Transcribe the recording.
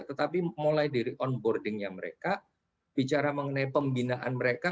tetapi mulai dari onboardingnya mereka bicara mengenai pembinaan mereka